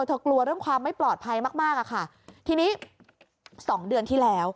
กลัวเรื่องความไม่ปลอดภัยมากมากอะค่ะทีนี้สองเดือนที่แล้ว